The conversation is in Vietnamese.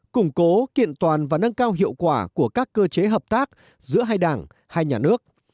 củng cố kiện toàn và nâng cao hiệu quả của các cơ chế hợp tác giữa hai đảng hai nhà nước